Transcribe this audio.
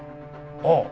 ああ。